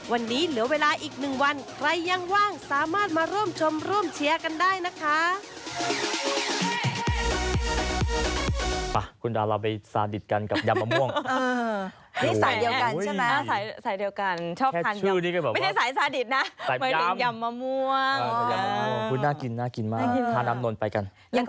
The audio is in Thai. วันนี้เหลือเวลาอีก๑วันใครยังว่างสามารถมาร่วมชมร่วมเชียร์กันได้นะคะ